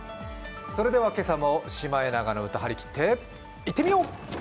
それでは今朝も「シマエナガの歌」張り切っていってみよう。